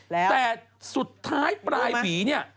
แต่สุดท้ายปลายผีเนี่ย